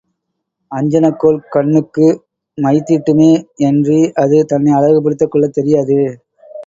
அஞ்சனக் கோல் கண்ணுக்கு மைதீட்டுமே யன்றி அது தன்னை அழகுபடுத்திக் கொள்ளத் தெரியாது.